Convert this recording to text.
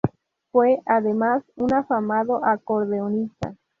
Fue, además, un afamado acordeonista.